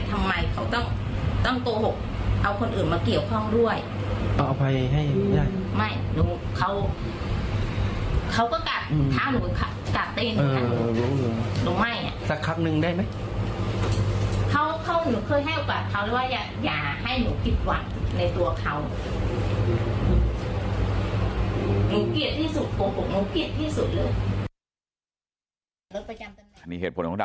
ทำไมเขาถึงเลือกคิดวิธีนี้ที่โกหกเรา